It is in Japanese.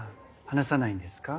話さないですね。